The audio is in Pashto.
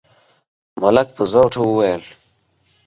ملک په زوټه وويل: